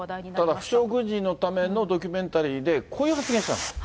ただ負傷軍人のためのドキュメンタリーで、こういう発言したんです。